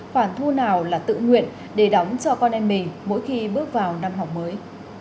khoản thu nào là tự nguyện để đóng cho con em mình mỗi khi bước vào năm học mới